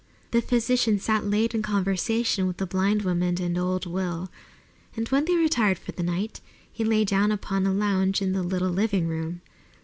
The physician sat late in conversation with the blind woman and old Will, and when they retired for the night he lay down upon a lounge in the little living room.